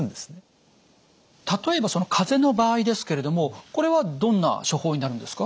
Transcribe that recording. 例えば風邪の場合ですけれどもこれはどんな処方になるんですか？